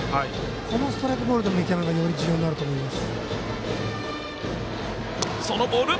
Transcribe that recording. このストライクボールの見極めが非常に重要になると思います。